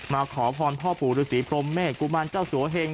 มาขอพรพ่อผู้ฤทธิ์ภรมเมฆกุมารเจ้าสวเหง